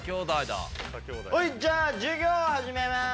はいじゃあ授業を始めます。